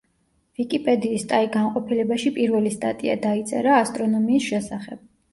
ვიკიპედიის ტაი განყოფილებაში პირველი სტატია დაიწერა ასტრონომიის შესახებ.